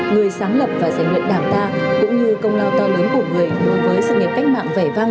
người sáng lập và giải nguyện đảng ta cũng như công lao to lớn của người với sự nghiệp cách mạng vẻ vang